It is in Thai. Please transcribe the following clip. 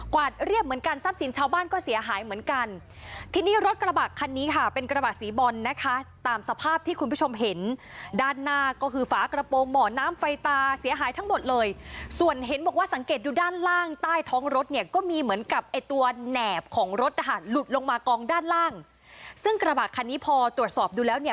วาดเรียบเหมือนกันทรัพย์สินชาวบ้านก็เสียหายเหมือนกันทีนี้รถกระบะคันนี้ค่ะเป็นกระบะสีบอลนะคะตามสภาพที่คุณผู้ชมเห็นด้านหน้าก็คือฝากระโปรงหมอน้ำไฟตาเสียหายทั้งหมดเลยส่วนเห็นบอกว่าสังเกตดูด้านล่างใต้ท้องรถเนี่ยก็มีเหมือนกับไอ้ตัวแหนบของรถนะคะหลุดลงมากองด้านล่างซึ่งกระบะคันนี้พอตรวจสอบดูแล้วเนี่ย